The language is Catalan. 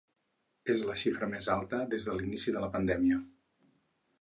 És la xifra més alta des de l’inici de la pandèmia.